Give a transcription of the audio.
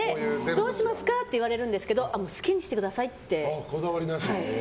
どうしますか？って言われるんですけど好きにしてくださいって。